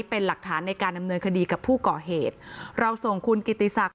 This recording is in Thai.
เป็นหลักฐานในการดำเนินคดีกับผู้ก่อเหตุเราส่งคุณกิติศักดิ